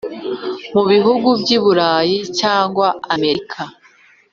mu bihugu byiburaya cg amerika.